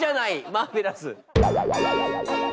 マーベラス。